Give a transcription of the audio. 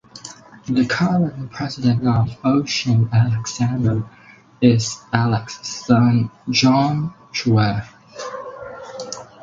The current President of Ocean Alexander is Alex’s son John Chueh.